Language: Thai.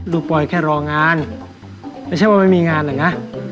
ลูกปลอยแค่ร้องานไม่ใช่ว่ามีงานเนี่ยนะ